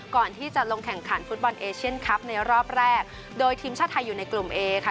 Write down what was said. ก่อนที่จะลงแข่งขันฟุตบอลเอเชียนคลับในรอบแรกโดยทีมชาติไทยอยู่ในกลุ่มเอค่ะ